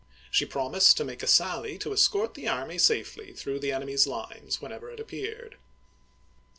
She promised to make a sally to escort the army safely through the enemy's lines, whenever it appeared.